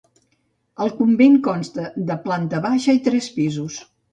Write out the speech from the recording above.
El convent consta de planta baixa i tres pisos.